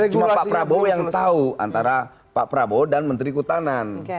cuma pak prabowo yang tahu antara pak prabowo dan menteri kehutanan